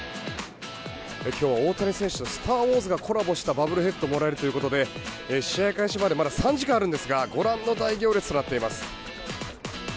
今日は大谷選手と「スター・ウォーズ」がコラボしたバブルヘッドをもらえるということで試合開始までまだ３時間あるんですがご覧の大行列となっています。